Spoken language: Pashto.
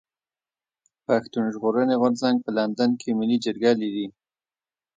پښتون ژغورني غورځنګ په لندن کي ملي جرګه لري.